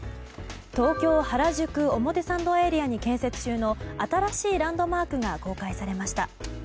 東京原宿・表参道エリアに建設中の新しいランドマークが公開されました。